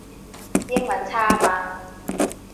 英文差吖嘛